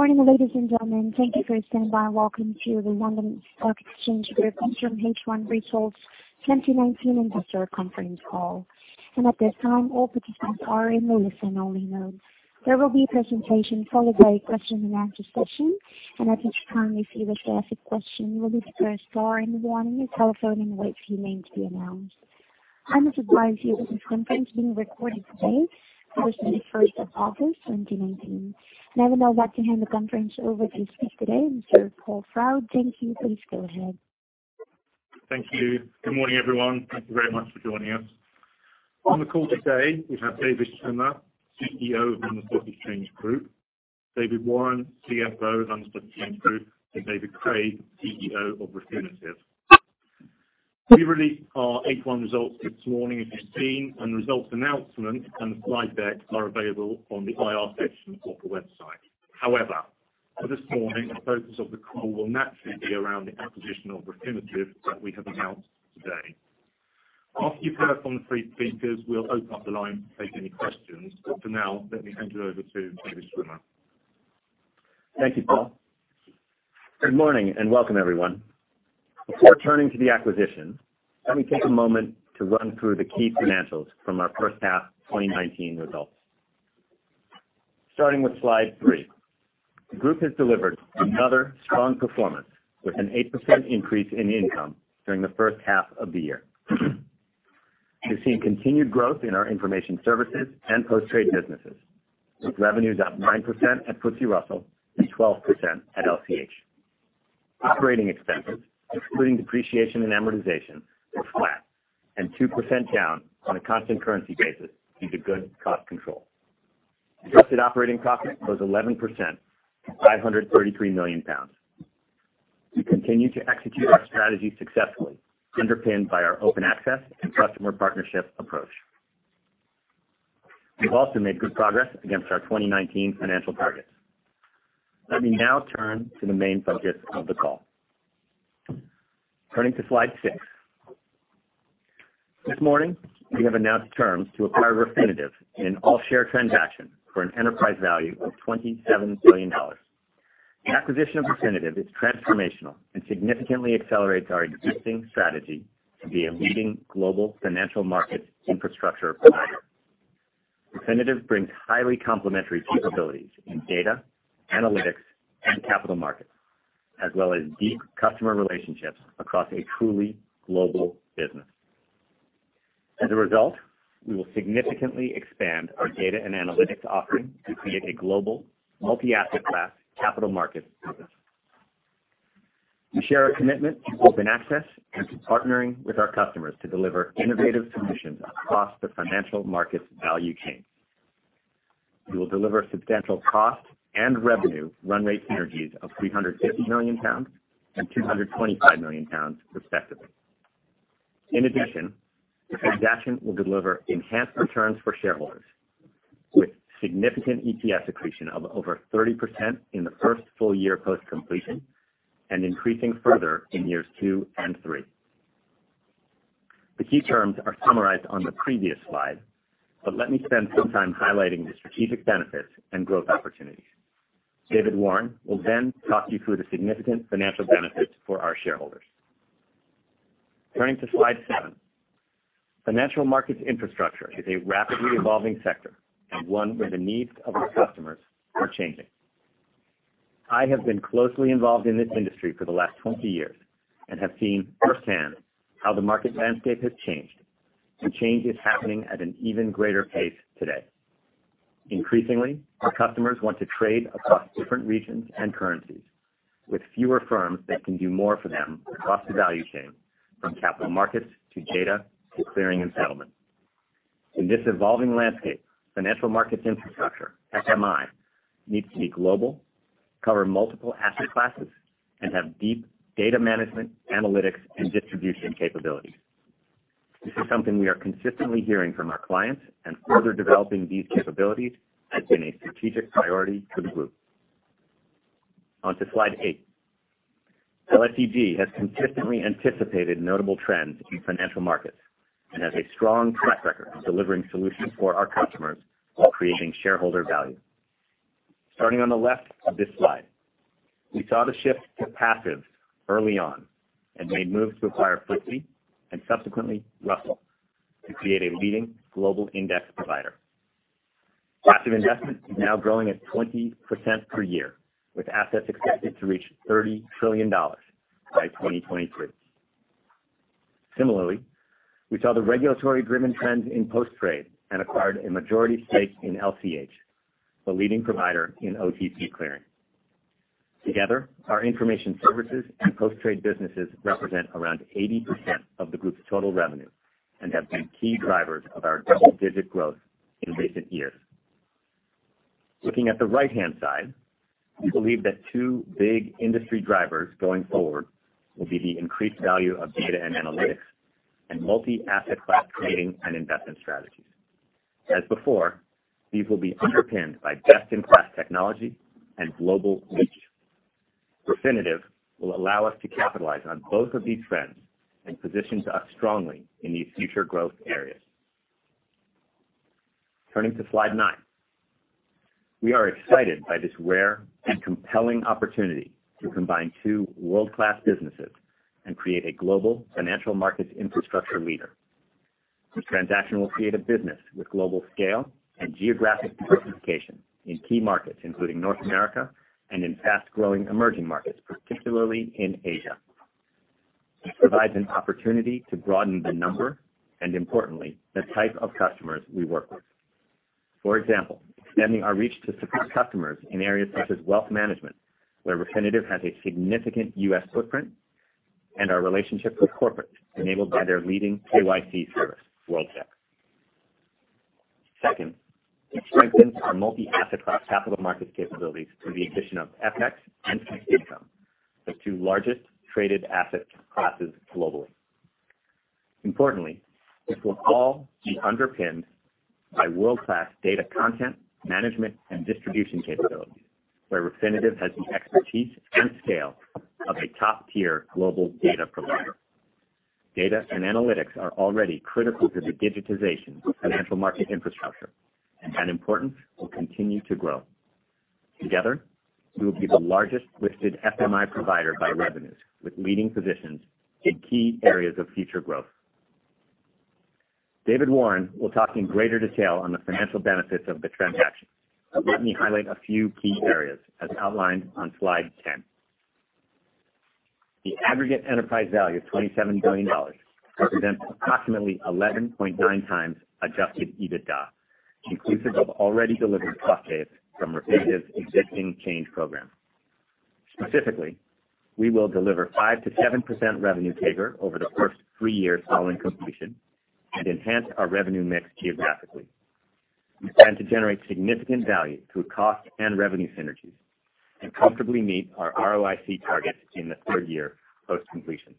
Good morning, ladies and gentlemen. Thank you for standing by. Welcome to the London Stock Exchange Group Interim H1 Results 2019 Investor Conference Call. At this time, all participants are in the listen-only mode. There will be a presentation followed by a question-and-answer session. At this time, if you would like to ask a question, you will be pressed star in the dial of your telephone and wait for your name to be announced. I would advise you that this conference is being recorded today, the 21st of August 2019. I'd now like to hand the conference over to speak today, Mr. Paul Froud. Thank you. Please go ahead. Thank you. Good morning, everyone. Thank you very much for joining us. On the call today, we have David Schwimmer, CEO of London Stock Exchange Group, David Warren, CFO of London Stock Exchange Group, and David Craig, CEO of Refinitiv. We released our H1 results this morning, as you've seen, and the results announcement and the slide deck are available on the IR section of the website. This morning the focus of the call will naturally be around the acquisition of Refinitiv that we have announced today. After you've heard from the three speakers, we'll open up the line to take any questions. For now, let me hand it over to David Schwimmer. Thank you, Paul. Good morning, and welcome everyone. Before turning to the acquisition, let me take a moment to run through the key financials from our first half 2019 results. Starting with slide three. The group has delivered another strong performance with an 8% increase in income during the first half of the year. We've seen continued growth in our information services and post-trade businesses, with revenues up 9% at FTSE Russell and 12% at LCH. Operating expenses, including depreciation and amortization, were flat and 2% down on a constant currency basis due to good cost control. Adjusted operating profit was 11%, 533 million pounds. We continue to execute our strategy successfully, underpinned by our open access and customer partnership approach. We've also made good progress against our 2019 financial targets. Let me now turn to the main focus of the call. Turning to slide six. This morning, we have announced terms to acquire Refinitiv in an all-share transaction for an enterprise value of $27 billion. The acquisition of Refinitiv is transformational and significantly accelerates our existing strategy to be a leading global financial markets infrastructure provider. Refinitiv brings highly complementary capabilities in data, analytics, and capital markets, as well as deep customer relationships across a truly global business. As a result, we will significantly expand our data and analytics offering to create a global multi-asset class capital markets business. We share a commitment to open access and to partnering with our customers to deliver innovative solutions across the financial markets value chain. We will deliver substantial cost and revenue run rate synergies of 350 million pounds and 225 million pounds respectively. In addition, the transaction will deliver enhanced returns for shareholders with significant EPS accretion of over 30% in the first full year post-completion and increasing further in years two and three. The key terms are summarized on the previous slide. Let me spend some time highlighting the strategic benefits and growth opportunities. David Warren will talk you through the significant financial benefits for our shareholders. Turning to slide seven. Financial markets infrastructure is a rapidly evolving sector and one where the needs of our customers are changing. I have been closely involved in this industry for the last 20 years and have seen firsthand how the market landscape has changed. Change is happening at an even greater pace today. Increasingly, our customers want to trade across different regions and currencies with fewer firms that can do more for them across the value chain, from capital markets to data to clearing and settlement. In this evolving landscape, financial markets infrastructure, FMI, needs to be global, cover multiple asset classes, and have deep data management, analytics, and distribution capabilities. This is something we are consistently hearing from our clients, and further developing these capabilities has been a strategic priority for the group. Onto slide eight. LSEG has consistently anticipated notable trends in financial markets and has a strong track record of delivering solutions for our customers while creating shareholder value. Starting on the left of this slide. We saw the shift to passive early on and made moves to acquire FTSE and subsequently Russell to create a leading global index provider. Passive investment is now growing at 20% per year, with assets expected to reach GBP 30 trillion by 2023. Similarly, we saw the regulatory-driven trends in post-trade and acquired a majority stake in LCH, the leading provider in OTC clearing. Together, our information services and post-trade businesses represent around 80% of the group's total revenue and have been key drivers of our double-digit growth in recent years. Looking at the right-hand side, we believe that two big industry drivers going forward will be the increased value of data and analytics and multi-asset class trading and investment strategies. As before, these will be underpinned by best-in-class technology and global reach. Refinitiv will allow us to capitalize on both of these trends and positions us strongly in these future growth areas. Turning to slide nine. We are excited by this rare and compelling opportunity to combine two world-class businesses and create a global financial markets infrastructure leader. This transaction will create a business with global scale and geographic diversification in key markets, including North America and in fast-growing emerging markets, particularly in Asia. This provides an opportunity to broaden the number, and importantly, the type of customers we work with. For example, extending our reach to supply customers in areas such as wealth management, where Refinitiv has a significant U.S. footprint, and our relationship with corporate enabled by their leading KYC service, World-Check. Second, it strengthens our multi-asset class capital markets capabilities through the addition of FX and fixed income, the two largest traded asset classes globally. Importantly, this will all be underpinned by world-class data content, management, and distribution capabilities, where Refinitiv has the expertise and scale of a top-tier global data provider. Data and analytics are already critical to the digitization of financial market infrastructure, and that importance will continue to grow. Together, we will be the largest listed FMI provider by revenues, with leading positions in key areas of future growth. David Warren will talk in greater detail on the financial benefits of the transaction. Let me highlight a few key areas as outlined on slide 10. The aggregate enterprise value of $27 billion represents approximately 11.9 times adjusted EBITDA, inclusive of already delivered cost saves from Refinitiv's existing change program. Specifically, we will deliver 5%-7% revenue taker over the first three years following completion, and enhance our revenue mix geographically. We plan to generate significant value through cost and revenue synergies, and comfortably meet our ROIC targets in the third year post-completion.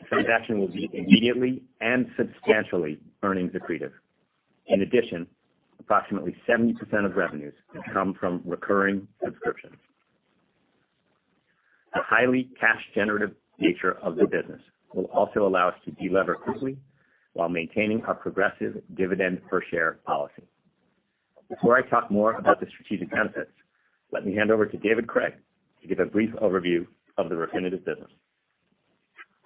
The transaction will be immediately and substantially earnings accretive. In addition, approximately 70% of revenues come from recurring subscriptions. The highly cash-generative nature of the business will also allow us to de-lever quickly while maintaining our progressive dividend per share policy. Before I talk more about the strategic benefits, let me hand over to David Craig to give a brief overview of the Refinitiv business.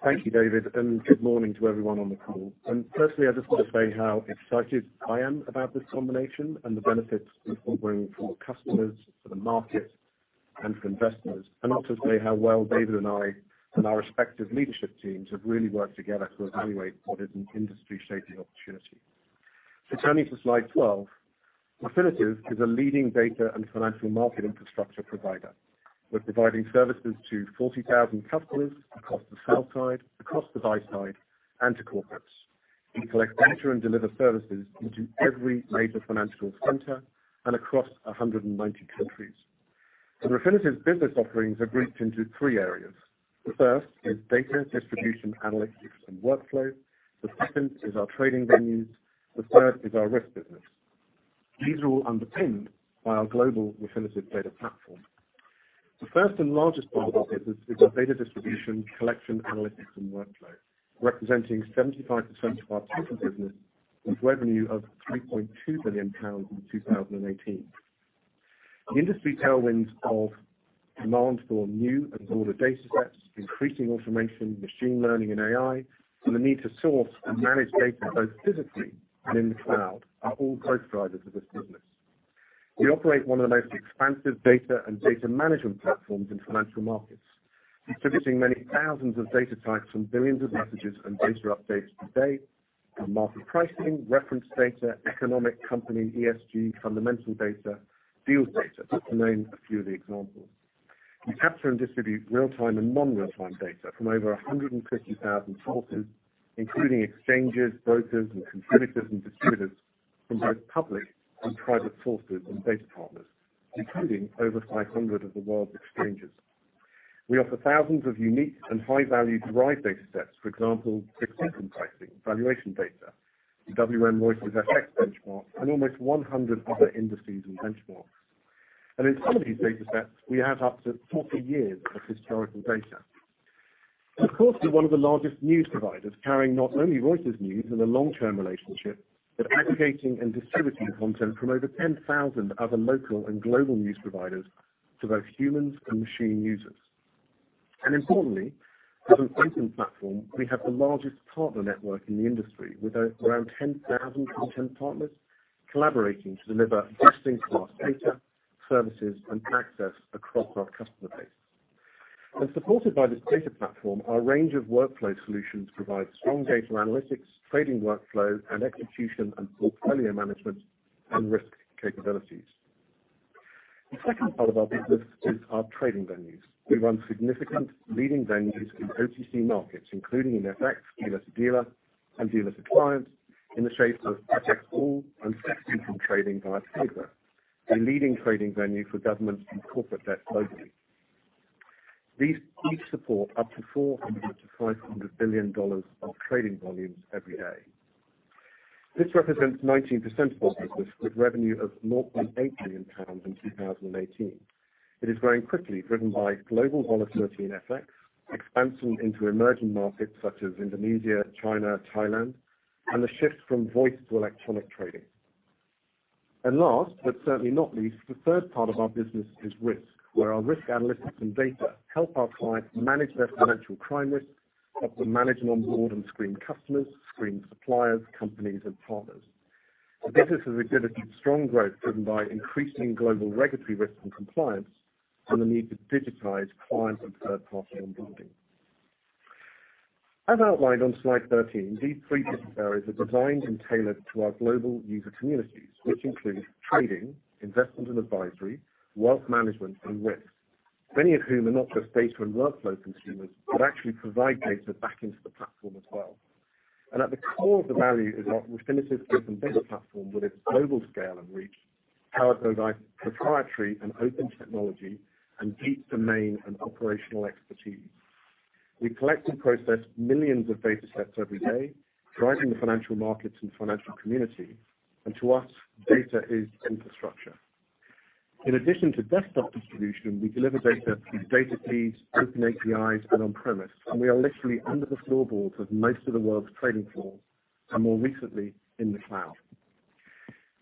Thank you, David, and good morning to everyone on the call. Firstly, I just want to say how excited I am about this combination, and the benefits it will bring for customers, for the market, and for investors. Also to say how well David and I, and our respective leadership teams have really worked together to evaluate what is an industry-shaping opportunity. Turning to slide 12. Refinitiv is a leading data and financial market infrastructure provider. We're providing services to 40,000 customers across the sell side, across the buy side, and to corporates. We collect data and deliver services into every major financial center and across 190 countries. Refinitiv's business offerings are grouped into three areas. The first is data distribution, analytics, and workflow. The second is our trading venues. The third is our risk business. These are all underpinned by our global Refinitiv data platform. The first and largest part of the business is our data distribution, collection, analytics, and workflow, representing 75% of our total business with revenue of 3.2 billion pounds in 2018. The industry tailwinds of demand for new and broader datasets, increasing automation, machine learning, and AI, and the need to source and manage data both physically and in the cloud are all growth drivers of this business. We operate one of the most expansive data and data management platforms in financial markets, servicing many thousands of data types and billions of messages and data updates per day, from market pricing, reference data, economic company ESG fundamental data, deals data, just to name a few of the examples. We capture and distribute real-time and non-real-time data from over 150,000 sources, including exchanges, brokers, and contributors, and distributors from both public and private sources and data partners, including over 500 of the world's exchanges. We offer thousands of unique and high-value derived datasets. For example, pricing, valuation data, the WM/Reuters FX benchmark, and almost 100 other indices and benchmarks. In some of these datasets, we have up to 40 years of historical data. Of course, we're one of the largest news providers, carrying not only Reuters news in a long-term relationship, but aggregating and distributing content from over 10,000 other local and global news providers to both humans and machine users. Importantly, as an open platform, we have the largest partner network in the industry, with around 10,000 content partners collaborating to deliver best-in-class data, services, and access across our customer base. Supported by this data platform, our range of workflow solutions provide strong data analytics, trading workflow, and execution, and portfolio management and risk capabilities. The second part of our business is our trading venues. We run significant leading venues in OTC markets, including in FX, dealer-to-dealer, and dealer-to-client in the shapes of FXall and system trading via Tradeweb, the leading trading venue for governments and corporate debt globally. These each support up to GBP 400 billion-GBP 500 billion of trading volumes every day. This represents 19% of our business, with revenue of more than 8 billion pounds in 2018. It is growing quickly, driven by global volatility in FX, expansion into emerging markets such as Indonesia, China, Thailand, and the shift from voice to electronic trading. Last, but certainly not least, the third part of our business is risk, where our risk analytics and data help our clients manage their financial crime risk, help them manage and onboard and screen customers, screen suppliers, companies, and partners. The business has exhibited strong growth driven by increasing global regulatory risk and compliance, and the need to digitize client and third-party onboarding. As outlined on slide 13, these three business areas are designed and tailored to our global user communities, which includes trading, investment and advisory, wealth management, and risk. Many of whom are not just data and workflow consumers, but actually provide data back into the platform as well. At the core of the value is our Refinitiv data and data platform with its global scale and reach, powered by proprietary and open technology, and deep domain and operational expertise. We collect and process millions of data sets every day, driving the financial markets and financial community. To us, data is infrastructure. In addition to desktop distribution, we deliver data through data feeds, open APIs, and on-premise. We are literally under the floorboards of most of the world's trading floors, and more recently, in the cloud.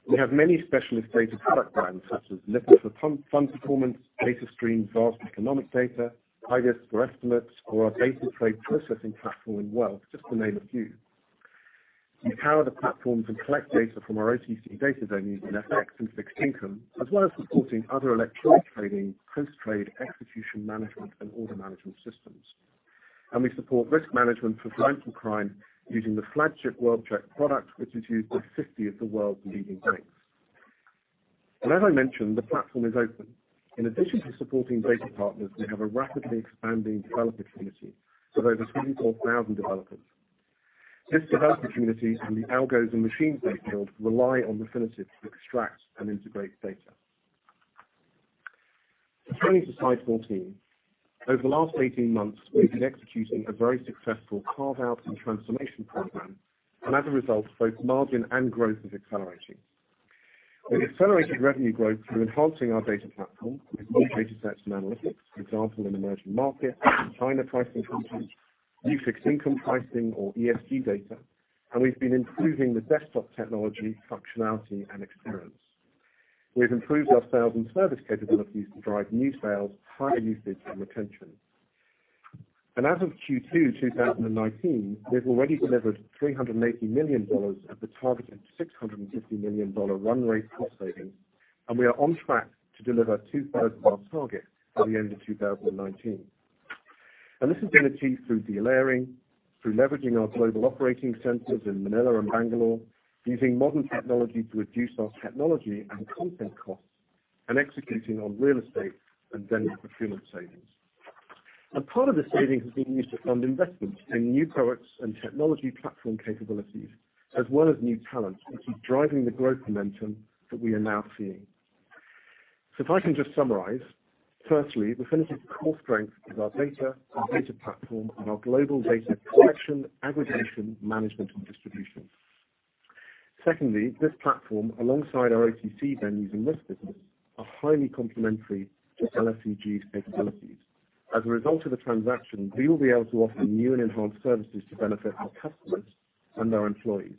We have many specialist data product lines such as Lipper for fund performance, Datastream's vast economic data, I/B/E/S for estimates, or our BETA trade processing platform in Wealth, just to name a few. We power the platforms and collect data from our OTC data venues in FX and fixed income, as well as supporting other electronic trading, post-trade execution management, and order management systems. We support risk management for financial crime using the flagship World-Check product, which is used by 50 of the world's leading banks. As I mentioned, the platform is open. In addition to supporting data partners, we have a rapidly expanding developer community of over 24,000 developers. This developer community and the algos and machines they build rely on Refinitiv to extract and integrate data. Turning to slide 14. Over the last 18 months, we've been executing a very successful carve-out and transformation program, and as a result, both margin and growth is accelerating. We've accelerated revenue growth through enhancing our data platform with new data sets and analytics. For example, in emerging markets, China pricing content, new fixed income pricing or ESG data. We've been improving the desktop technology, functionality, and experience. We've improved our sales and service capabilities to drive new sales, higher usage and retention. As of Q2 2019, we've already delivered $380 million of the targeted $650 million run rate cost savings. We are on track to deliver two-thirds of our target by the end of 2019. This has been achieved through delayering, through leveraging our global operating centers in Manila and Bangalore, using modern technology to reduce our technology and content costs, and executing on real estate and vendor procurement savings. Part of the savings has been used to fund investments in new products and technology platform capabilities, as well as new talent, which is driving the growth momentum that we are now seeing. If I can just summarize. Firstly, Refinitiv's core strength is our data, our data platform, and our global data collection, aggregation, management, and distribution. Secondly, this platform, alongside our OTC venues and risk business, are highly complementary to LSEG's capabilities. As a result of the transaction, we will be able to offer new and enhanced services to benefit our customers and our employees.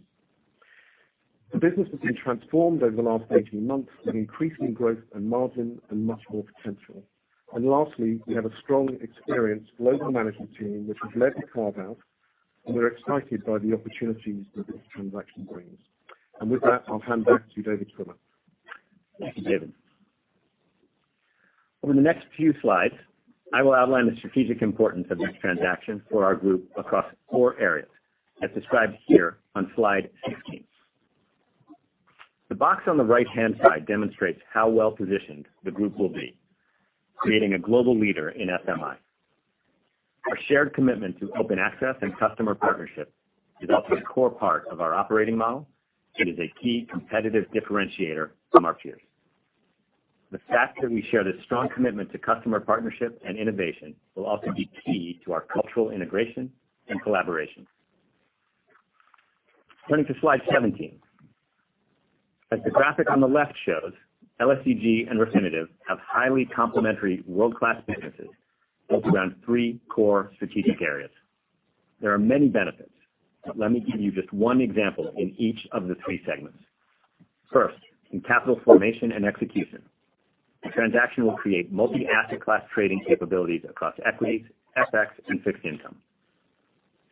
The business has been transformed over the last 18 months with increasing growth and margin and much more potential. Lastly, we have a strong, experienced global management team which has led the carve-out, and we're excited by the opportunities that this transaction brings. With that, I'll hand back to David Schwimmer. Thank you, David. Over the next few slides, I will outline the strategic importance of this transaction for our group across four areas, as described here on slide 16. The box on the right-hand side demonstrates how well-positioned the group will be, creating a global leader in FMI. Our shared commitment to open access and customer partnership is also a core part of our operating model, and is a key competitive differentiator from our peers. The fact that we share this strong commitment to customer partnership and innovation will also be key to our cultural integration and collaboration. Turning to slide 17. As the graphic on the left shows, LSEG and Refinitiv have highly complementary world-class businesses built around three core strategic areas. There are many benefits, but let me give you just one example in each of the three segments. First, in capital formation and execution. The transaction will create multi-asset class trading capabilities across equities, FX, and fixed income.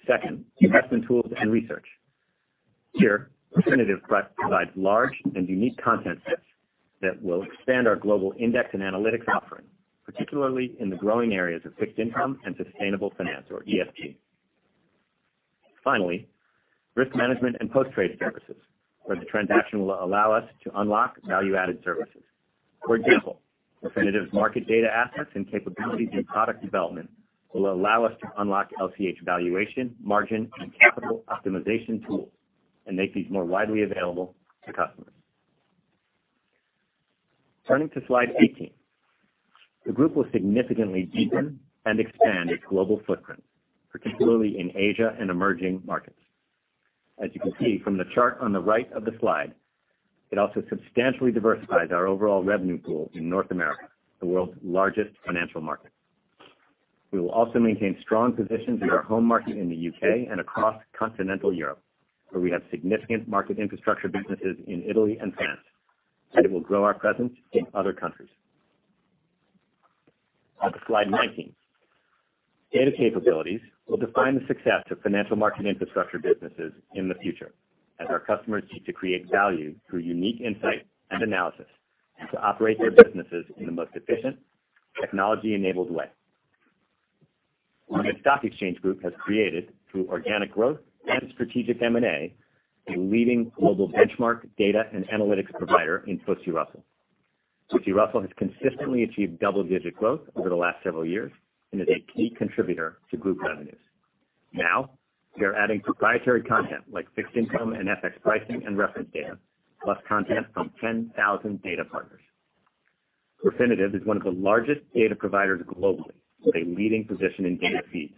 Second, investment tools and research. Here, Refinitiv provides large and unique content sets that will expand our global index and analytics offering, particularly in the growing areas of fixed income and sustainable finance or ESG. Finally, risk management and post-trade services, where the transaction will allow us to unlock value-added services. For example, Refinitiv's market data assets and capabilities in product development will allow us to unlock LCH valuation, margin, and capital optimization tools, and make these more widely available to customers. Turning to slide 18. The group will significantly deepen and expand its global footprint, particularly in Asia and emerging markets. As you can see from the chart on the right of the slide, it also substantially diversifies our overall revenue pool in North America, the world's largest financial market. We will also maintain strong positions in our home market in the U.K. and across continental Europe, where we have significant market infrastructure businesses in Italy and France. It will grow our presence in other countries. On to slide 19. Data capabilities will define the success of financial market infrastructure businesses in the future, as our customers seek to create value through unique insight and analysis to operate their businesses in the most efficient, technology-enabled way. London Stock Exchange Group has created, through organic growth and strategic M&A, a leading global benchmark data and analytics provider in FTSE Russell. FTSE Russell has consistently achieved double-digit growth over the last several years and is a key contributor to group revenues. We are adding proprietary content like fixed income and FX pricing and reference data, plus content from 10,000 data partners. Refinitiv is one of the largest data providers globally with a leading position in data feeds.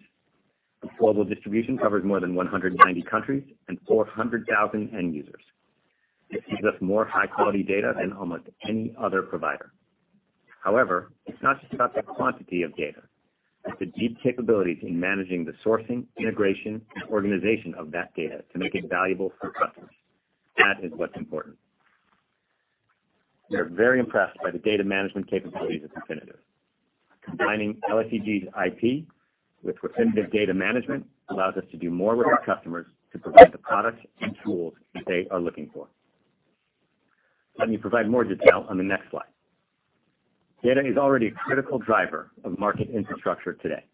Its global distribution covers more than 190 countries and 400,000 end users. It gives us more high-quality data than almost any other provider. However, it's not just about the quantity of data. It's the deep capabilities in managing the sourcing, integration, and organization of that data to make it valuable for customers. That is what's important. We are very impressed by the data management capabilities of Refinitiv. Combining LSEG's IP with Refinitiv data management allows us to do more with our customers to provide the products and tools that they are looking for. Let me provide more detail on the next slide. Data is already a critical driver of market infrastructure today.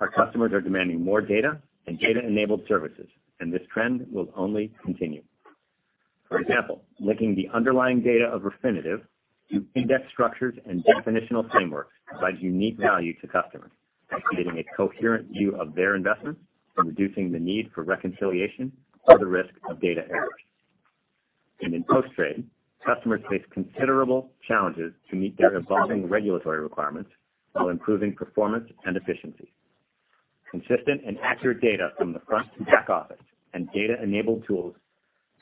Our customers are demanding more data and data-enabled services, and this trend will only continue. For example, linking the underlying data of Refinitiv to index structures and definitional frameworks provides unique value to customers by creating a coherent view of their investments and reducing the need for reconciliation or the risk of data errors. In post-trade, customers face considerable challenges to meet their evolving regulatory requirements while improving performance and efficiency. Consistent and accurate data from the front to back office and data-enabled tools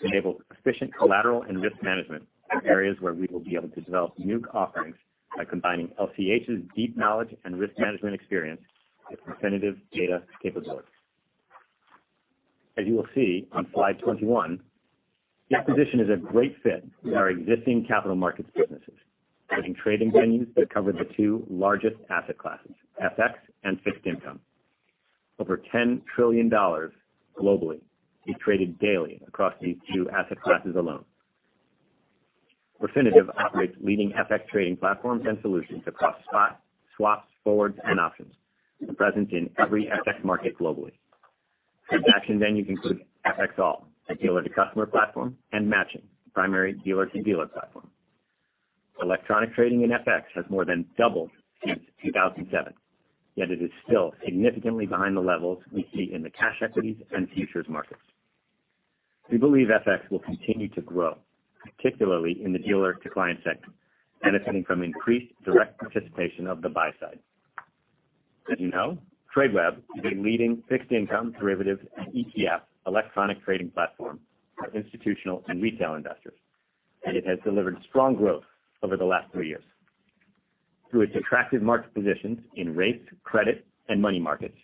enable efficient collateral and risk management are areas where we will be able to develop new offerings by combining LCH's deep knowledge and risk management experience with Refinitiv data capabilities. As you will see on slide 21, this position is a great fit with our existing capital markets businesses, giving trading venues that cover the two largest asset classes, FX and fixed income. Over $10 trillion globally is traded daily across these two asset classes alone. Refinitiv operates leading FX trading platforms and solutions across spot, swaps, forwards, and options, and present in every FX market globally. Its execution venues include FXall, a dealer-to-customer platform, and Matching, a primary dealer-to-dealer platform. Electronic trading in FX has more than doubled since 2007, yet it is still significantly behind the levels we see in the cash equities and futures markets. We believe FX will continue to grow, particularly in the dealer-to-client sector, benefiting from increased direct participation of the buy side. As you know, Tradeweb is a leading fixed income derivative and ETF electronic trading platform for institutional and retail investors, and it has delivered strong growth over the last three years. Through its attractive market positions in rates, credit, and money markets,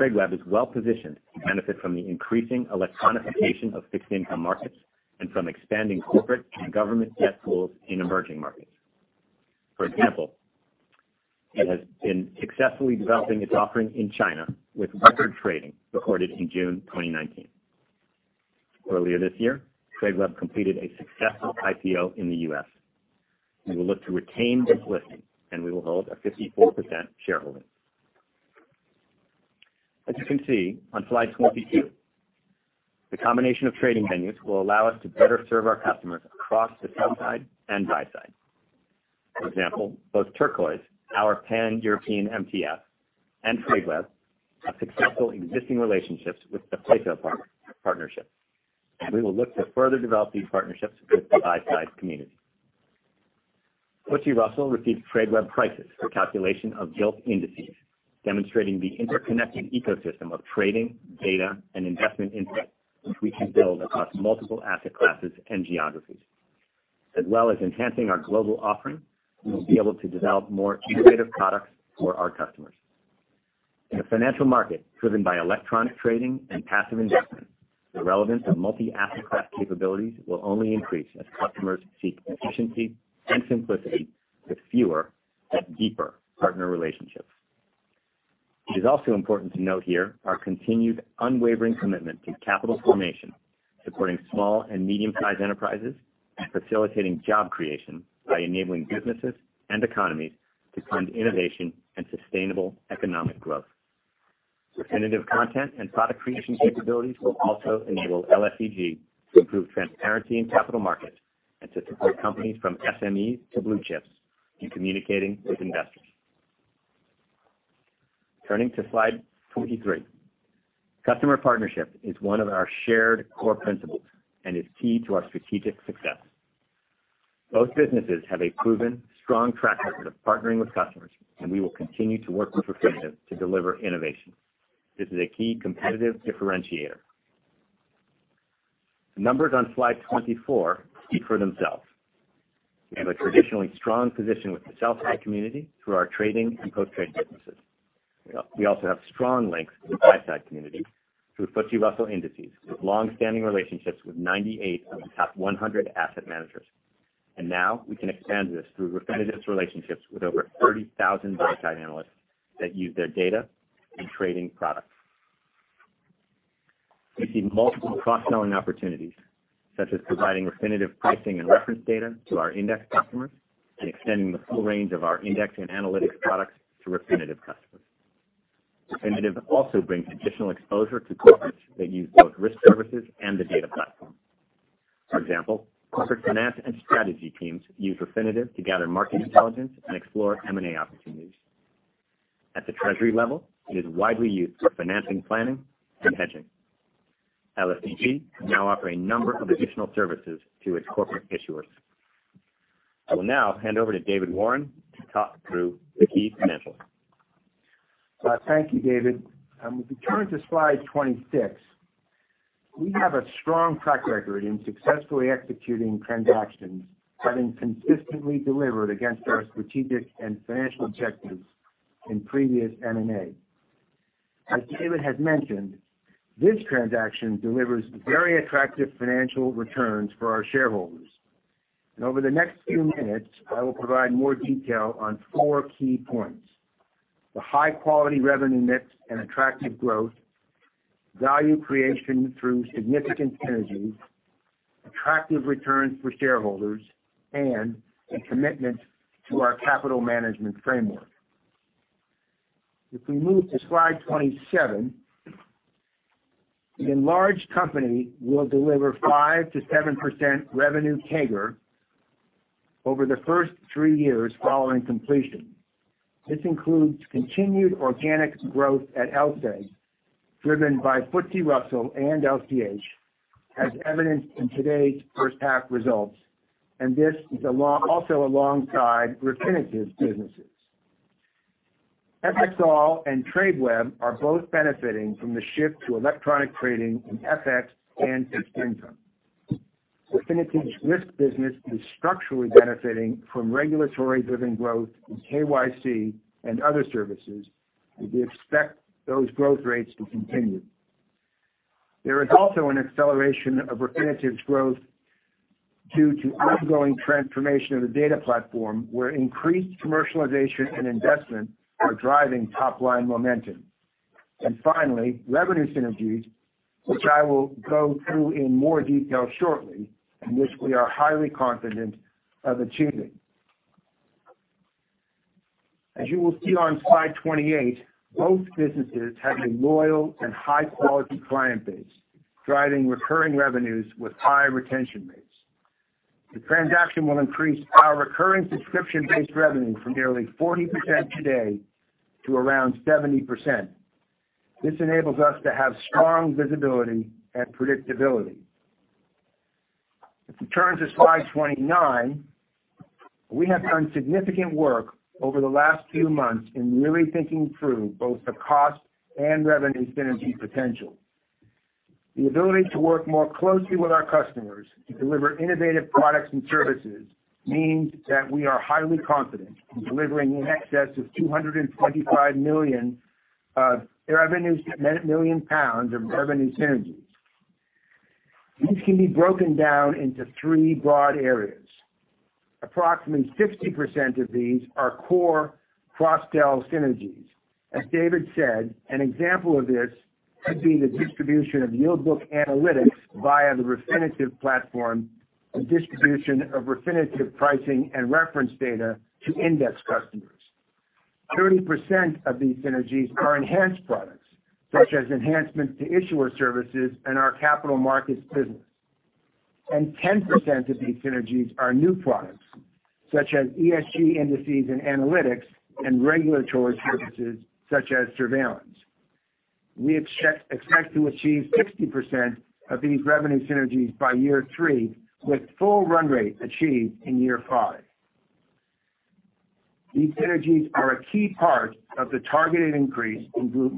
Tradeweb is well-positioned to benefit from the increasing electronification of fixed income markets and from expanding corporate and government debt pools in emerging markets. For example, it has been successfully developing its offering in China, with record trading recorded in June 2019. Earlier this year, Tradeweb completed a successful IPO in the U.S. We will look to retain this listing. We will hold a 54% shareholding. As you can see on slide 22, the combination of trading venues will allow us to better serve our customers across the sell side and buy side. For example, both Turquoise, our Pan-European MTF, and Tradeweb have successful existing relationships with the sell side partnerships. We will look to further develop these partnerships with the buy side community. FTSE Russell receives Tradeweb prices for calculation of gilt indices, demonstrating the interconnected ecosystem of trading, data, and investment insight which we can build across multiple asset classes and geographies. As well as enhancing our global offering, we will be able to develop more innovative products for our customers. In a financial market driven by electronic trading and passive investment, the relevance of multi-asset class capabilities will only increase as customers seek efficiency and simplicity with fewer but deeper partner relationships. It is also important to note here our continued unwavering commitment to capital formation, supporting small and medium-sized enterprises, and facilitating job creation by enabling businesses and economies to fund innovation and sustainable economic growth. Refinitiv content and product creation capabilities will also enable LSEG to improve transparency in capital markets and to support companies from SMEs to blue chips in communicating with investors. Turning to slide 23. Customer partnership is one of our shared core principles and is key to our strategic success. Both businesses have a proven strong track record of partnering with customers, and we will continue to work with Refinitiv to deliver innovation. This is a key competitive differentiator. The numbers on slide 24 speak for themselves. We have a traditionally strong position with the sell-side community through our trading and post-trade businesses. We also have strong links to the buy-side community through FTSE Russell Indices, with long-standing relationships with 98 of the top 100 asset managers. Now we can expand this through Refinitiv's relationships with over 30,000 buy-side analysts that use their data and trading products. We see multiple cross-selling opportunities, such as providing Refinitiv pricing and reference data to our index customers and extending the full range of our index and analytics products to Refinitiv customers. Refinitiv also brings additional exposure to corporates that use both risk services and the data platform. For example, corporate finance and strategy teams use Refinitiv to gather market intelligence and explore M&A opportunities. At the treasury level, it is widely used for financing, planning, and hedging. LSEG can now offer a number of additional services to its corporate issuers. I will now hand over to David Warren to talk through the key financials. Thank you, David. If we turn to slide 26, we have a strong track record in successfully executing transactions, having consistently delivered against our strategic and financial objectives in previous M&A. As David has mentioned, this transaction delivers very attractive financial returns for our shareholders. Over the next few minutes, I will provide more detail on four key points. The high-quality revenue mix and attractive growth, value creation through significant synergies, attractive returns for shareholders, and a commitment to our capital management framework. If we move to slide 27, the enlarged company will deliver 5%-7% revenue CAGR over the first three years following completion. This includes continued organic growth at LSEG, driven by FTSE Russell and LCH, as evidenced in today's first-half results, and this is also alongside Refinitiv's businesses. FXall and Tradeweb are both benefiting from the shift to electronic trading in FX and fixed income. Refinitiv's risk business is structurally benefiting from regulatory-driven growth in KYC and other services. We expect those growth rates to continue. There is also an acceleration of Refinitiv's growth due to ongoing transformation of the data platform, where increased commercialization and investment are driving top-line momentum. Finally, revenue synergies, which I will go through in more detail shortly, and which we are highly confident of achieving. As you will see on slide 28, both businesses have a loyal and high-quality client base, driving recurring revenues with high retention rates. The transaction will increase our recurring subscription-based revenue from nearly 40% today to around 70%. This enables us to have strong visibility and predictability. If we turn to slide 29, we have done significant work over the last few months in really thinking through both the cost and revenue synergy potential. The ability to work more closely with our customers to deliver innovative products and services means that we are highly confident in delivering in excess of 225 million of revenue synergies. These can be broken down into three broad areas. Approximately 60% of these are core cross-sell synergies. As David said, an example of this could be the distribution of Yield Book analytics via the Refinitiv platform, or distribution of Refinitiv pricing and reference data to index customers. 30% of these synergies are enhanced products, such as enhancements to issuer services and our capital markets business. 10% of these synergies are new products, such as ESG indices and analytics and regulatory services such as surveillance. We expect to achieve 60% of these revenue synergies by year three, with full run rate achieved in year five. These synergies are a key part of the targeted increase in group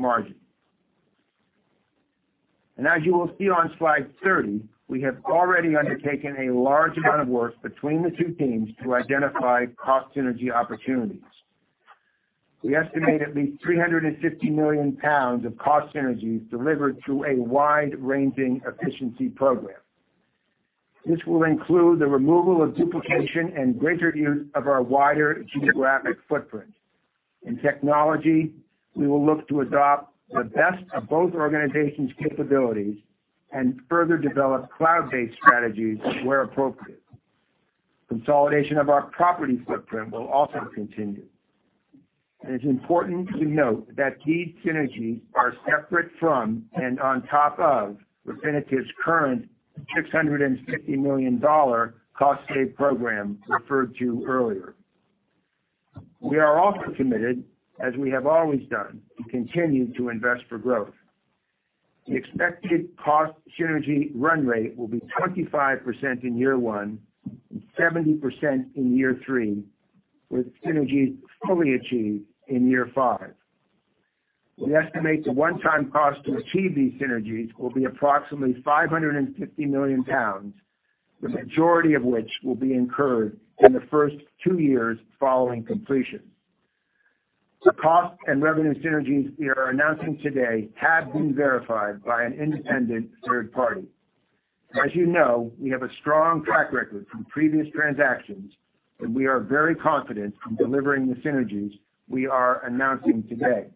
margin. As you will see on slide 30, we have already undertaken a large amount of work between the two teams to identify cost synergy opportunities. We estimate at least 350 million pounds of cost synergies delivered through a wide-ranging efficiency program. This will include the removal of duplication and greater use of our wider geographic footprint. In technology, we will look to adopt the best of both organizations' capabilities and further develop cloud-based strategies where appropriate. Consolidation of our property footprint will also continue. It's important to note that these synergies are separate from and on top of Refinitiv's current GBP 650 million cost save program referred to earlier. We are also committed, as we have always done, to continue to invest for growth. The expected cost synergy run rate will be 25% in year one and 70% in year three, with synergies fully achieved in year five. We estimate the one-time cost to achieve these synergies will be approximately 550 million pounds, the majority of which will be incurred in the first two years following completion. The cost and revenue synergies we are announcing today have been verified by an independent third party. As you know, we have a strong track record from previous transactions, and we are very confident in delivering the synergies we are announcing today.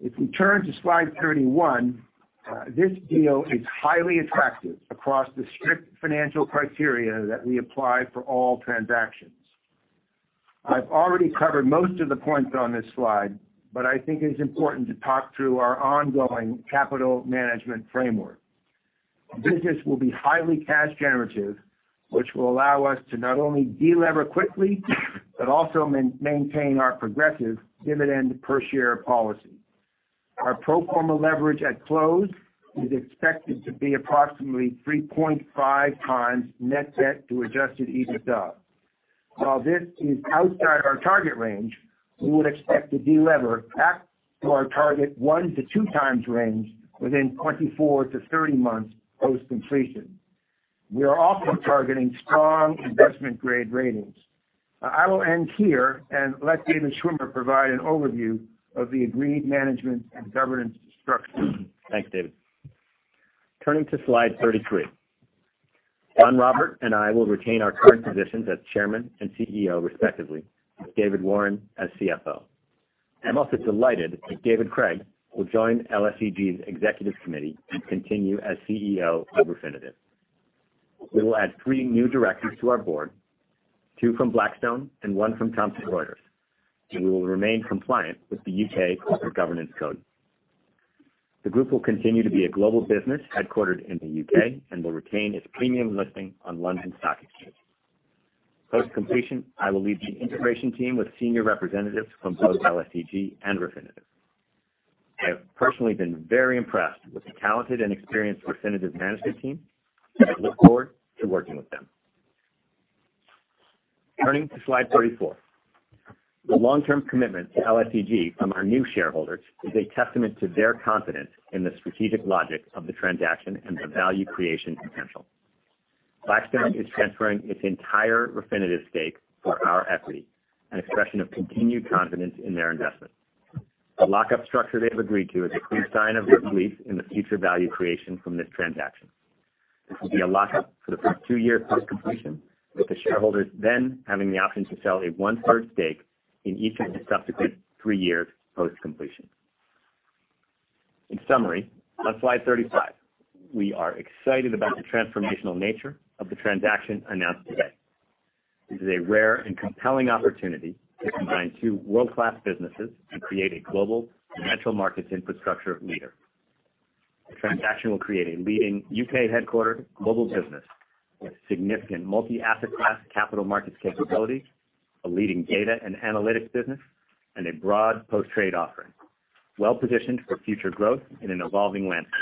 If we turn to slide 31, this deal is highly attractive across the strict financial criteria that we apply for all transactions. I've already covered most of the points on this slide, but I think it is important to talk through our ongoing capital management framework. The business will be highly cash generative, which will allow us to not only de-lever quickly, but also maintain our progressive dividend per share policy. Our pro forma leverage at close is expected to be approximately 3.5 times net debt to adjusted EBITDA. While this is outside our target range, we would expect to de-lever back to our target 1x-2x range within 24-30 months post-completion. We are also targeting strong investment-grade ratings. I will end here and let David Schwimmer provide an overview of the agreed management and governance structure. Thanks, David. Turning to slide 33. Don Robert and I will retain our current positions as Chairman and CEO respectively, with David Warren as CFO. I'm also delighted that David Craig will join LSEG's executive committee and continue as CEO of Refinitiv. We will add three new directors to our board, two from Blackstone and one from Thomson Reuters, and we will remain compliant with the U.K. Corporate Governance Code. The group will continue to be a global business headquartered in the U.K. and will retain its premium listing on London Stock Exchange. Post-completion, I will lead the integration team with senior representatives from both LSEG and Refinitiv. I have personally been very impressed with the talented and experienced Refinitiv management team, and I look forward to working with them. Turning to slide 34. The long-term commitment to LSEG from our new shareholders is a testament to their confidence in the strategic logic of the transaction and the value creation potential. Blackstone is transferring its entire Refinitiv stake for our equity, an expression of continued confidence in their investment. The lock-up structure they've agreed to is a clear sign of their belief in the future value creation from this transaction. This will be a lock-up for the first two years post-completion, with the shareholders then having the option to sell a one-third stake in each of the subsequent three years post-completion. In summary, on slide 35, we are excited about the transformational nature of the transaction announced today. This is a rare and compelling opportunity to combine two world-class businesses and create a global financial markets infrastructure leader. The transaction will create a leading U.K.-headquartered global business with significant multi-asset class capital markets capabilities, a leading data and analytics business, and a broad post-trade offering, well-positioned for future growth in an evolving landscape.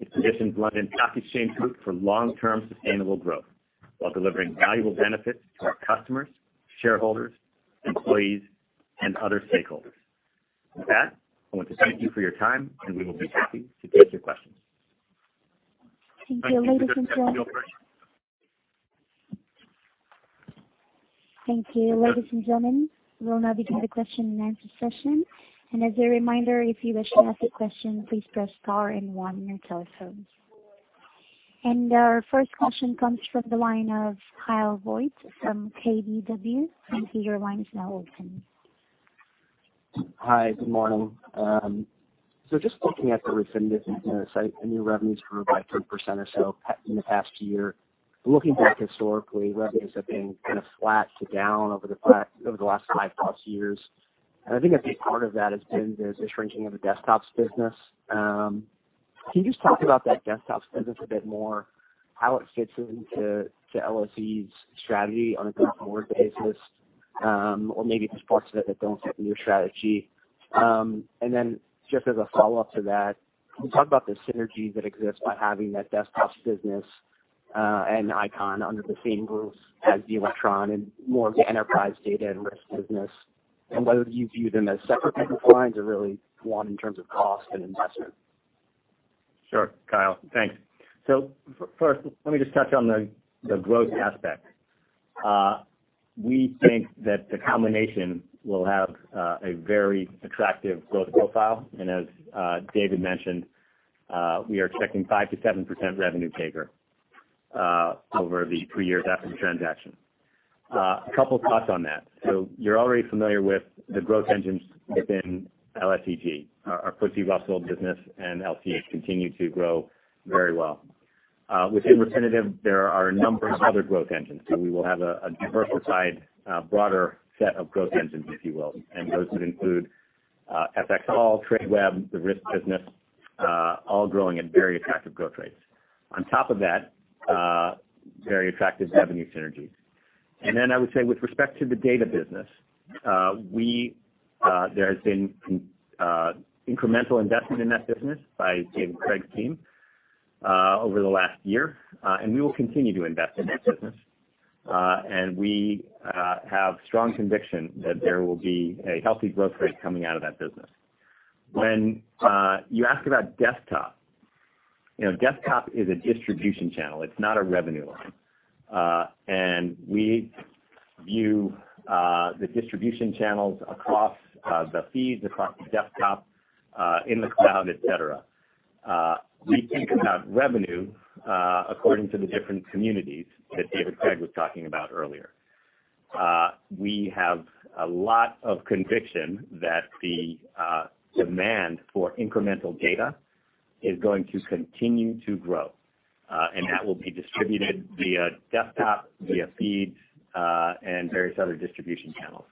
It positions London Stock Exchange Group for long-term sustainable growth while delivering valuable benefits to our customers, shareholders, employees, and other stakeholders. With that, I want to thank you for your time, and we will be happy to take your questions. Thank you. Ladies and gentlemen. Thank you. Ladies and gentlemen, we will now begin the question and answer session. As a reminder, if you wish to ask a question, please press star and one on your telephones. Our first question comes from the line of Kyle Voigt from KBW. Thank you. Your line is now open. Hi. Good morning. Just looking at the Refinitiv business, I know revenues grew by 30% or so in the past year. Looking back historically, revenues have been kind of flat to down over the last five-plus years. I think a big part of that has been the shrinking of the desktops business. Can you just talk about that desktops business a bit more, how it fits into LSEG's strategy on a going-forward basis, or maybe the parts of it that don't fit in your strategy? Just as a follow-up to that, can you talk about the synergy that exists by having that desktops business and Eikon under the same roof as the Elektron and more of the enterprise data and risk business, and whether you view them as separate business lines or really one in terms of cost and investment? Sure, Kyle. Thanks. First, let me just touch on the growth aspect. We think that the combination will have a very attractive growth profile. As David mentioned, we are expecting 5%-7% revenue CAGR over the three years after the transaction. A couple thoughts on that. You're already familiar with the growth engines within LSEG. Our FTSE Russell business and LCH continue to grow very well. Within Refinitiv, there are a number of other growth engines. We will have a diversified, broader set of growth engines, if you will, and those would include FXall, Tradeweb, the risk business, all growing at very attractive growth rates. On top of that, very attractive revenue synergies. I would say with respect to the data business, there has been incremental investment in that business by David Craig's team over the last year. We will continue to invest in that business. We have strong conviction that there will be a healthy growth rate coming out of that business. When you ask about desktop is a distribution channel. It's not a revenue line. We view the distribution channels across the feeds, across the desktop, in the cloud, et cetera. We think about revenue according to the different communities that David Craig was talking about earlier. We have a lot of conviction that the demand for incremental data is going to continue to grow, and that will be distributed via desktop, via feeds, and various other distribution channels.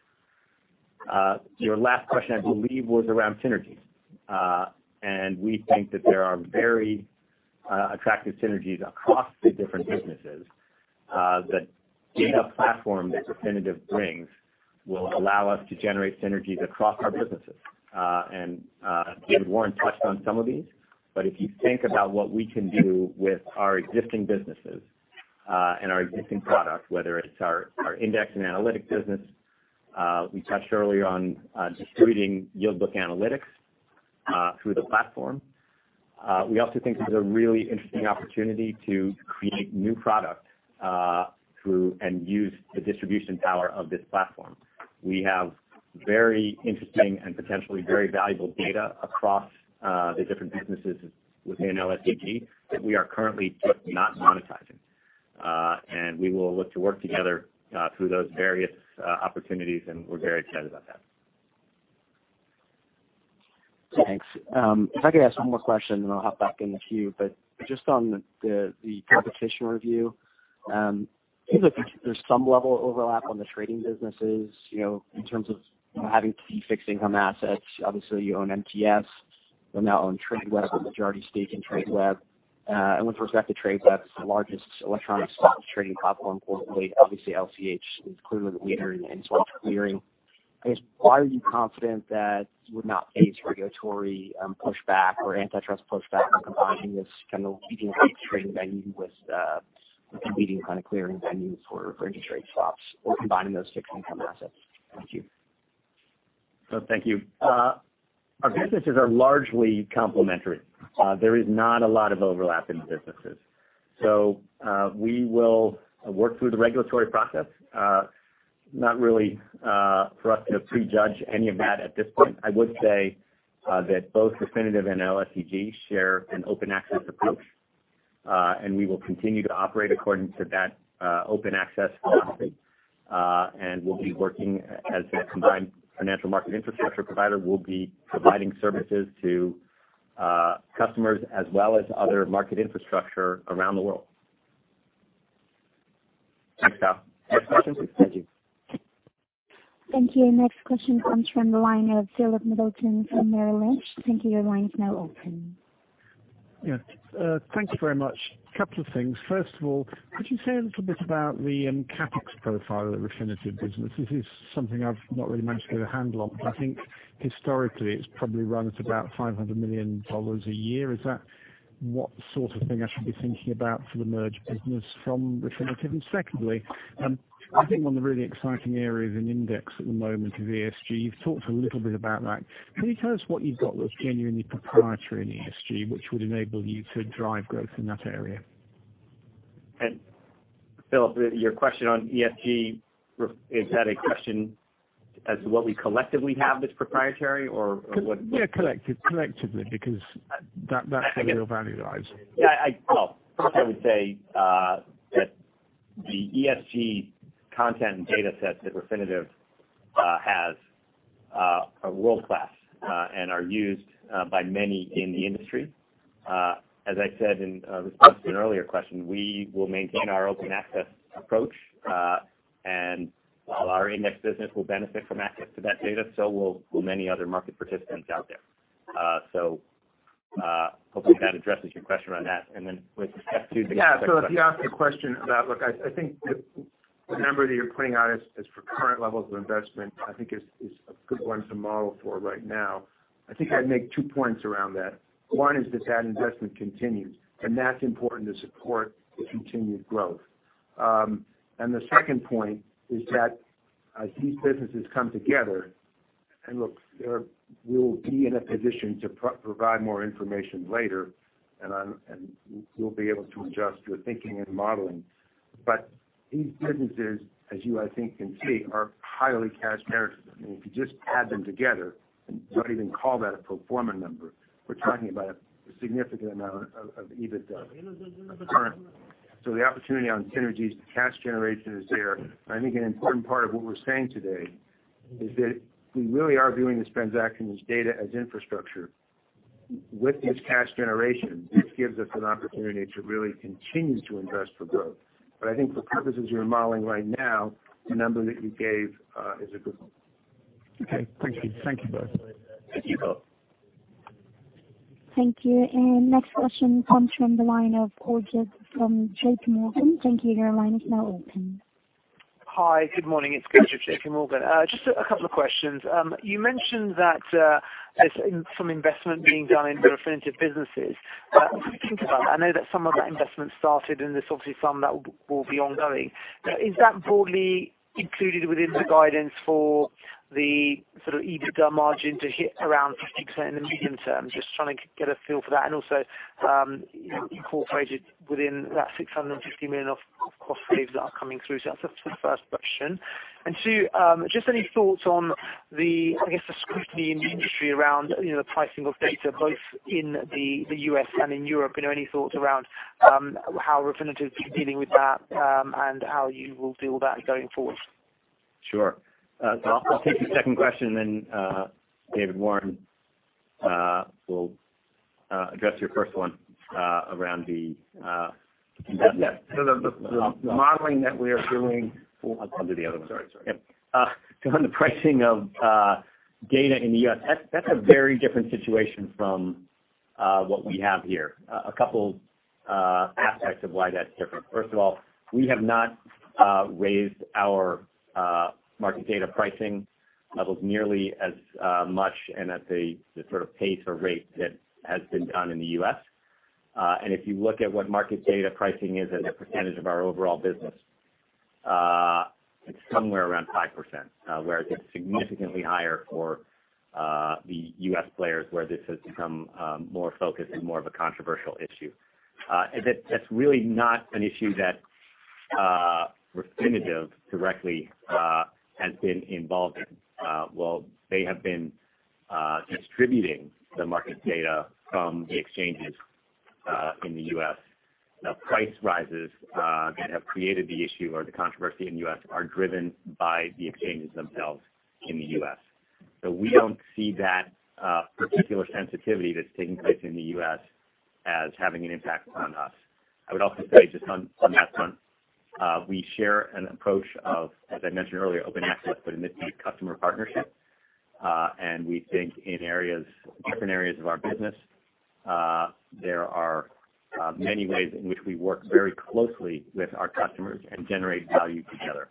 Your last question, I believe, was around synergies. We think that there are very attractive synergies across the different businesses. The data platform that Refinitiv brings will allow us to generate synergies across our businesses. Warren touched on some of these. If you think about what we can do with our existing businesses, and our existing products, whether it's our index and analytics business. We touched earlier on distributing Yield Book analytics through the platform. We also think there's a really interesting opportunity to create new product through and use the distribution power of this platform. We have very interesting and potentially very valuable data across the different businesses within LSEG that we are currently just not monetizing. We will look to work together through those various opportunities, and we're very excited about that. Thanks. If I could ask one more question, and I'll hop back in the queue, but just on the competition review. It seems like there's some level of overlap on the trading businesses, in terms of having key fixed income assets. Obviously, you own MTS. You now own Tradeweb or majority stake in Tradeweb. With respect to Tradeweb, it's the largest electronic swaps trading platform globally. Obviously, LCH is clearly the leader in interest rate clearing. I guess, why are you confident that you would not face regulatory pushback or antitrust pushback in combining this kind of leading trading venue with the leading kind of clearing venue for interest rate swaps or combining those fixed income assets? Thank you. No, thank you. Our businesses are largely complementary. There is not a lot of overlap in the businesses. We will work through the regulatory process. Not really for us to prejudge any of that at this point. I would say that both Refinitiv and LSEG share an open access approach, and we will continue to operate according to that open access philosophy. We'll be working as a combined financial market infrastructure provider. We'll be providing services to customers as well as other market infrastructure around the world. Thanks, Kyle. Next question? Thank you. Thank you. Next question comes from the line of Philip Middleton from Merrill Lynch. Thank you. Your line is now open. Yes. Thank you very much. Couple of things. First of all, could you say a little bit about the CapEx profile of Refinitiv? This is something I've not really managed to get a handle on. I think historically, it's probably run at about GBP 500 million a year. Is that what sort of thing I should be thinking about for the merged business from Refinitiv? Secondly, I think one of the really exciting areas in index at the moment is ESG. You've talked a little bit about that. Can you tell us what you've got that's genuinely proprietary in ESG, which would enable you to drive growth in that area? Philip, your question on ESG, is that a question as to what we collectively have that's proprietary or what? Yeah, collectively, because that's where real value lies. Yeah. Well, first I would say that the ESG content and data sets that Refinitiv has are world-class, and are used by many in the industry. As I said in response to an earlier question, we will maintain our open access approach. While our index business will benefit from access to that data, so will many other market participants out there. Hopefully that addresses your question around that. Then with respect to the CapEx question. If you ask the question about, look, I think the number that you're putting out as for current levels of investment, I think is a good one to model for right now. I think I'd make two points around that. One is that that investment continues, and that's important to support the continued growth. The second point is that as these businesses come together, and look, we'll be in a position to provide more information later, and you'll be able to adjust your thinking and modeling. These businesses, as you, I think, can see, are highly cash generative. I mean, if you just add them together, you don't even call that a pro forma number. We're talking about a significant amount of EBITDA currently. The opportunity on synergies to cash generation is there. I think an important part of what we're saying today is that we really are viewing this transaction as data, as infrastructure. With this cash generation, this gives us an opportunity to really continue to invest for growth. I think for purposes you're modeling right now, the number that you gave is a good one. Okay. Thank you. Thank you both. Thank you. Call. Thank you. Next question comes from the line of Gurjit from JPMorgan. Thank you. Your line is now open. Hi, good morning. It's Gurjit from JPMorgan. Just a couple of questions. You mentioned that there's some investment being done in the Refinitiv businesses. When you think about it, I know that some of that investment started, and there's obviously some that will be ongoing. Is that broadly included within the guidance for the sort of EBITDA margin to hit around 50% in the medium term? Just trying to get a feel for that. Also, incorporated within that 650 million of cost saves that are coming through. That's the first question. Two, just any thoughts on, I guess, the scrutiny in the industry around the pricing of data, both in the U.S. and in Europe. Any thoughts around how Refinitiv is dealing with that and how you will deal with that going forward? Sure. I'll take the second question, and then David Warren will address your first one around the investment. The modeling that we are doing. I'll do the other one. Sorry. Yep. On the pricing of data in the U.S., that's a very different situation from what we have here. A couple aspects of why that's different. First of all, we have not raised our market data pricing levels nearly as much and at the sort of pace or rate that has been done in the U.S. If you look at what market data pricing is as a percentage of our overall business, it's somewhere around 5%, whereas it's significantly higher for the U.S. players, where this has become more focused and more of a controversial issue. That's really not an issue that Refinitiv directly has been involved in. While they have been distributing the market data from the exchanges in the U.S., the price rises that have created the issue or the controversy in the U.S. are driven by the exchanges themselves in the U.S. We don't see that particular sensitivity that's taking place in the U.S. as having an impact on us. I would also say just on that front, we share an approach of, as I mentioned earlier, open access, but in this case, customer partnership. We think in different areas of our business, there are many ways in which we work very closely with our customers and generate value together.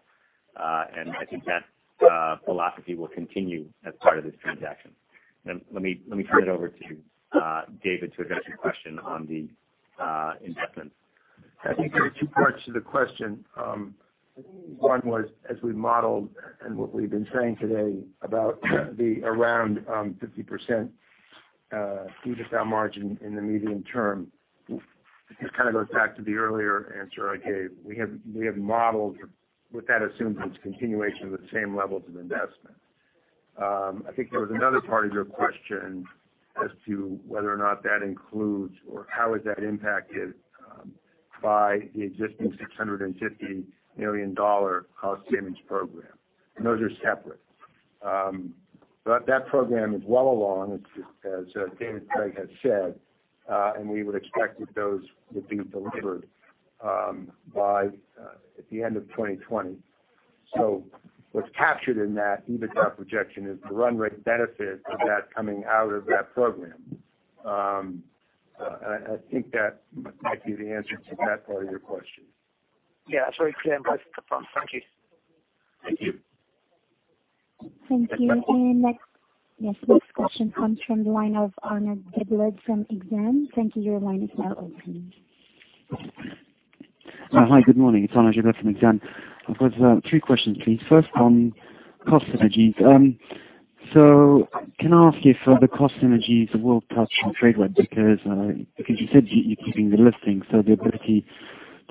I think that philosophy will continue as part of this transaction. Let me turn it over to David to address your question on the investment. I think there are two parts to the question. One was, as we modeled and what we've been saying today about the around 50% EBITDA margin in the medium term, this kind of goes back to the earlier answer I gave. We have modeled with that assumption, it's continuation of the same levels of investment. I think there was another part of your question as to whether or not that includes or how is that impacted by the existing GBP 650 million cost savings program. Those are separate. That program is well along, as David Craig has said, and we would expect that those would be delivered by the end of 2020. What's captured in that EBITDA projection is the run rate benefit of that coming out of that program. I think that might be the answer to that part of your question. That's very clear. Thank you. Thank you. Thank you. Next. Next question. Yes. Next question comes from the line of Arnaud Giblat from Exane. Thank you. Your line is now open. Hi. Good morning. It's Arnaud Giblat from Exane. I've got three questions, please. First, on cost synergies. Can I ask if the cost synergies will touch Tradeweb? Because you said you're keeping the listing, so the ability